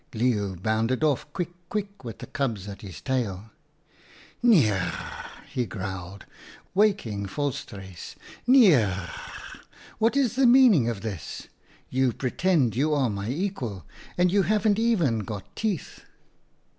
" Leeuw bounded off quick quick with the cubs at his tail. 11 * Nier r r r,' he growled, waking Volstruis, 1 nier r r r. What is the meaning of this ? You pretend you are my equal, and you haven't even got teeth.'